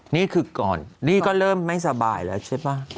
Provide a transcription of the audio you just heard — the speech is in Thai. นี่คือก่อนนี่ก็เริ่มไม่สบายแล้วใช่ป่ะ